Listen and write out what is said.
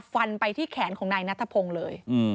ฟันไปที่แขนของนายนัทพงศ์เลย